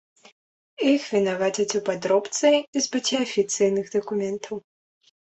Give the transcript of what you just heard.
Іх вінавацяць у падробцы і збыце афіцыйных дакументаў.